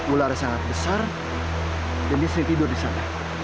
ularnya sangat besar dan dia sering tidur di sana